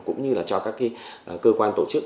cũng như là cho các cơ quan tổ chức